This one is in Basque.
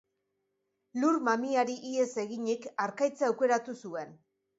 Lur mamiari ihes eginik, harkaitza aukeratu zuen.